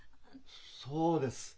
そうです。